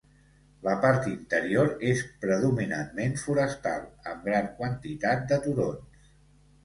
La part interior és predominantment forestal, amb gran quantitat de turons.